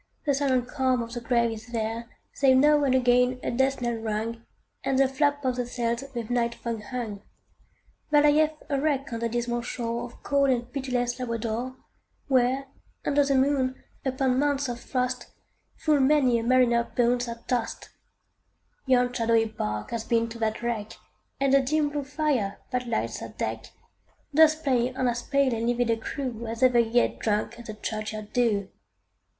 The silent calm of the grave is there, Save now and again a death knell rung, And the flap of the sails with night fog hung. There lieth a wreck on the dismal shore Of cold and pitiless Labrador; Where, under the moon, upon mounts of frost, Full many a mariner's bones are tost. Yon shadowy bark hath been to that wreck, And the dim blue fire, that lights her deck, Doth play on as pale and livid a crew, As ever yet drank the churchyard dew.